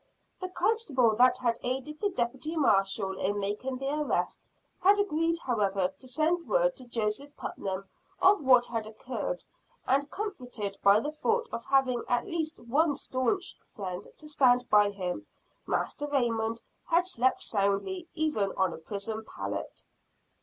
The constable that had aided the deputy marshall in making the arrest, had agreed however to send word to Joseph Putnam of what had occurred; and comforted by the thought of having at least one staunch friend to stand by him, Master Raymond had slept soundly even on a prison pallet.